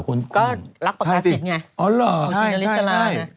ก็รับประกาศิษย์ไง